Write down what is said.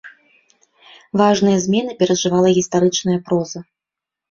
Важныя змены перажывала гістарычная проза.